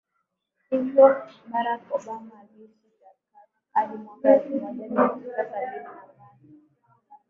Hivyo Barack Obama aliishi Jakarta hadi mwaka elfu moja mia tisa sabini na moja